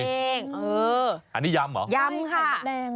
อันนี้ยำเหรอ